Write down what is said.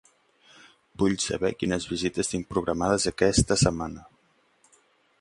Vull saber quines visites tinc programades aquesta setmana.